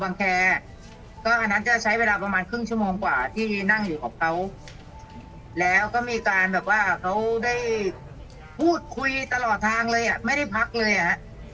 อันนั้นจะใช้เวลาประมาณครึ่งชั่วโมงกว่าที่นั่งอยู่กับเขาแล้วก็มีการแบบว่าเขาได้พูดคุยตลอดทางเลยอ่ะไม่ได้พักเลยอ่ะฮะ